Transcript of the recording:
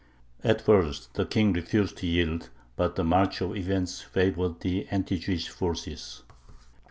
At first the King refused to yield, but the march of events favored the anti Jewish forces.